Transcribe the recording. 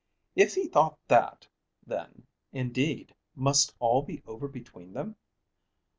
If he thought that, then, indeed, must all be over between them.